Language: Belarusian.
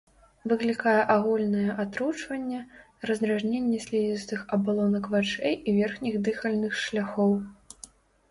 Выклікае агульнае атручванне, раздражненне слізістых абалонак вачэй і верхніх дыхальных шляхоў.